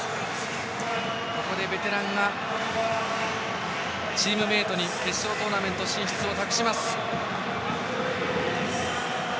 ここでベテランがチームメートに決勝トーナメント進出を託します。